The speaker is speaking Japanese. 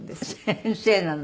先生なの？